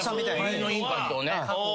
前のインパクトをね。